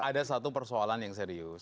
ini adalah satu persoalan yang serius